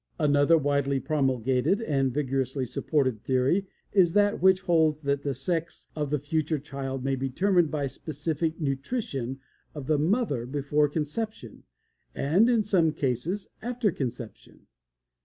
Another widely promulgated and vigorously supported theory is that which holds that the sex of the future child may be determined by specific nutrition of the mother before conception, and in some cases after conception.